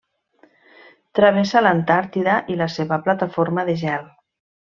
Travessa l'Antàrtida i la seva plataforma de gel.